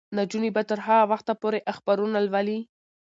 نجونې به تر هغه وخته پورې اخبارونه لولي.